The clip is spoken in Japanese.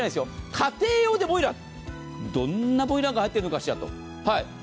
家庭用でボイラー、どんなボイラーが入ってるのかしらと。